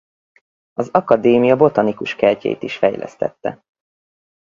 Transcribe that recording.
Az akadémia botanikus kertjeit is fejlesztette.